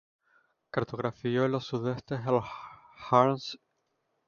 Cartografió en los Sudetes, en Harz y en las montañas del este de Baviera.